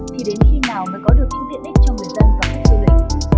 thì đến khi nào mới có được những tiện ích cho người dân và khách du lịch